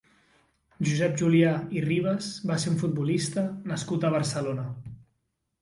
Josep Julià i Ribas va ser un futbolista nascut a Barcelona.